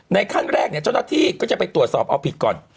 ขั้นแรกเนี่ยเจ้าหน้าที่ก็จะไปตรวจสอบเอาผิดก่อน